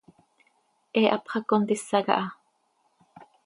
He hapx hac contisa caha.